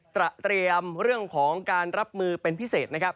เตรียมเรื่องของการรับมือเป็นพิเศษนะครับ